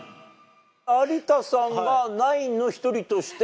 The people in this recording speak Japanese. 有田さんはナインの一人として参加。